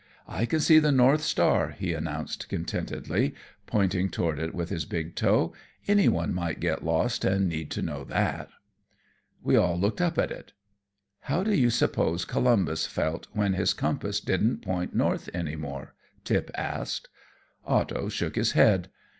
"I can see the North Star," he announced, contentedly, pointing toward it with his big toe. "Any one might get lost and need to know that." We all looked up at it. "How do you suppose Columbus felt when his compass didn't point north any more?" Tip asked. Otto shook his head.